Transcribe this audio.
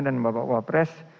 dan bapak wak pres